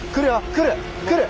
来る来る。